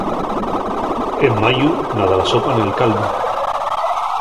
En mayu, nada la sopa nel caldu.